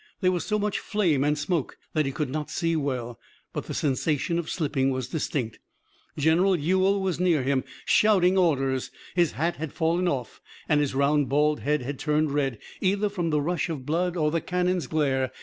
There was so much flame and smoke that he could not see well, but the sensation of slipping was distinct. General Ewell was near him, shouting orders. His hat had fallen off, and his round, bald head had turned red, either from the rush of blood or the cannon's glare.